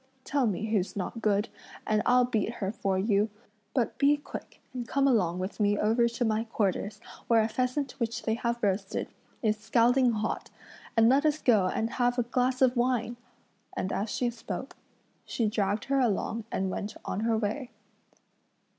Tell me who's not good, and I'll beat her for you; but be quick and come along with me over to my quarters, where a pheasant which they have roasted is scalding hot, and let us go and have a glass of wine!" And as she spoke, she dragged her along and went on her way.